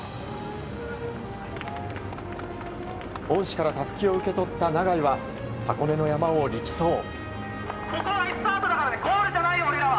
恩師からたすきを受け取った永井は箱根の山を力走。